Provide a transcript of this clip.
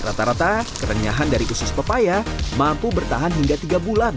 rata rata kerenyahan dari usus pepaya mampu bertahan hingga tiga bulan